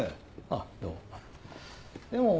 あっどうも。